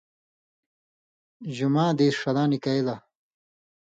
جُماں دېس ݜلاں نِکَیلَ؛